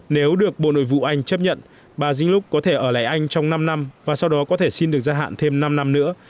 nếu được bộ nội vụ anh chấp nhận bà zing lux có thể ở lại anh trong năm năm và sau đó có thể xin được gia hạn thêm năm năm nữa